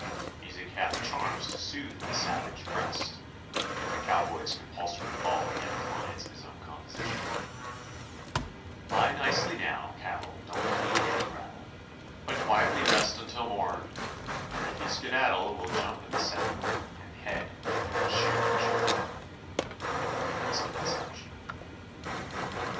"Music hath charms to soothe the savage breast," if a cowboy's compulsory bawling out lines of his own composition: Lie nicely now, cattle, don't heed any rattle, But quietly rest until morn; For if you skedaddle, we'll jump in the saddle, And head you as sure as you're born, can be considered such.